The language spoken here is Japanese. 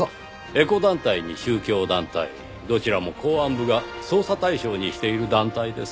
エコ団体に宗教団体どちらも公安部が捜査対象にしている団体です。